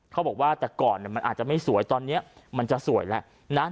เขาบอกว่าแต่ก่อนมันอาจจะไม่สวยตอนนี้มันจะสวยแล้วนะ